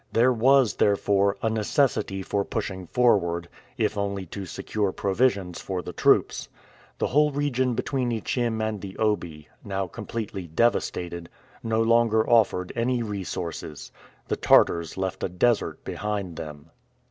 There was, therefore, a necessity for pushing forward, if only to secure provisions for the troops. The whole region between Ichim and the Obi, now completely devastated, no longer offered any resources. The Tartars left a desert behind them.